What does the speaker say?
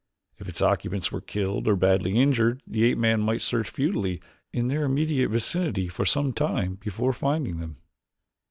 If its occupants were killed or badly injured the ape man might search futilely in their immediate vicinity for some time before finding them.